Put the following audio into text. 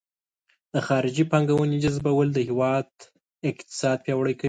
د خارجي پانګونې جذبول د هیواد اقتصاد پیاوړی کوي.